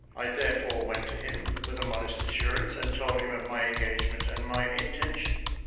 I therefore went to him, with a modest assurance, and told him of my engagement and my intention.